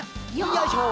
よいしょ